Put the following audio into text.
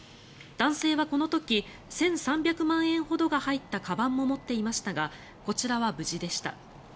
男性はこの時１３００万円ほどが入ったかばんも持っていましたがこちらは無事でした。